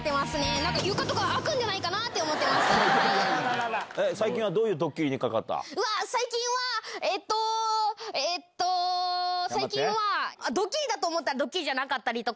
なんか床とか、開くんじゃないか最近はどういうドッキリにか最近は、えっと、えーっと、最近は、ドッキリだと思ったら、ドッキリじゃなかったりとか。